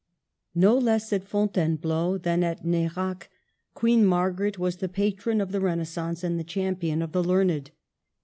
No less at Fontainebleau than at N6rac, Queen Margaret was the patron of the Renaissance and the champion of the learned.